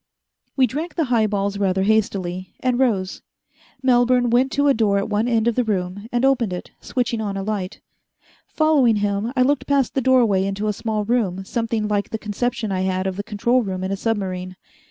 We drank the highballs rather hastily, and rose. Melbourne went to a door at one end of the room and opened it, switching on a light. Following him, I looked past the doorway into a small room something like the conception I had of the control room in a submarine.